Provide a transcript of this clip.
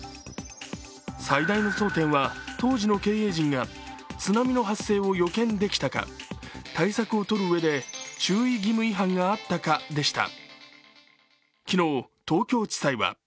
最大の争点は当時の経営者が津波の発生を予見できたか、対策をとるうえで注意義務違反があったかでした。